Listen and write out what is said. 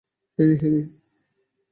Harry, Harry.